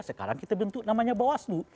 sekarang kita bentuk namanya bawaslu